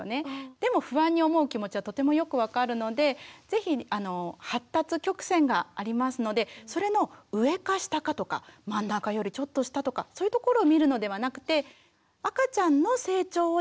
でも不安に思う気持ちはとてもよく分かるのでぜひ発達曲線がありますのでそれの上か下かとか真ん中よりちょっと下とかそういうところを見るのではなくて赤ちゃんの成長をですね